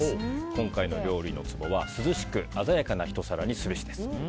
今回の料理のツボは涼しく鮮やかな一皿にすべしです。